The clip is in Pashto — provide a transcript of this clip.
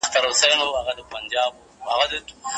هغه څوک چي صبر کوي، بريالي کېږي.